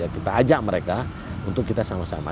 kita ajak mereka untuk kita sama sama